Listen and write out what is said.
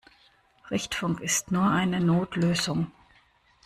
Richtfunk ist nur eine Notlösung.